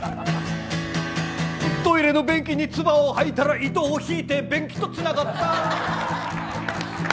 トイレの便器に唾を吐いたら糸を引いて便器とつながった。